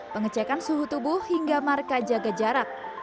pengecekan suhu tubuh hingga marka jaga jarak